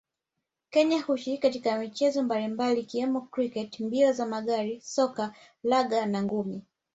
Kenya hushiriki katika michezo mbalimbali ikiwemo kriketi mbio za magari soka raga na ngumi